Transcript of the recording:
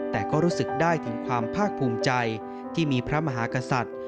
แต่ก็รู้สึกได้ถึงความภาคภูมิใจที่มีพระมหากษัตริย์